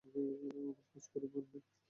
অমন কাজ করিবেন না!